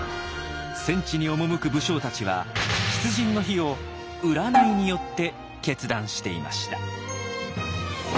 戦地に赴く武将たちは出陣の日を占いによって決断していました。